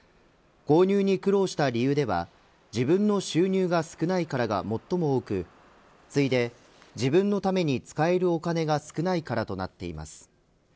購入に苦労した理由では自分の収入が少ないからが最も多く次いで、自分のために使えるお金が少ないからとなっています。